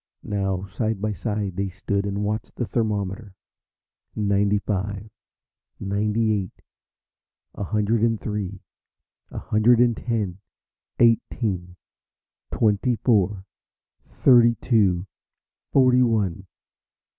Now, side by side, they stood and watched the thermometer. Ninety five ninety eight a hundred and three a hundred and ten eighteen twenty four thirty two forty one.